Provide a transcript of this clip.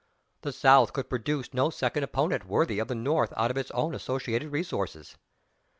The "South" could produce no second opponent worthy of the North out of its own associated resources.